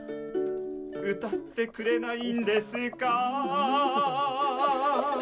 「歌ってくれないんですか」